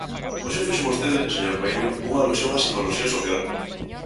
Hoxe fixo vostede, señor Paíño, unha alusión á psicoloxía social.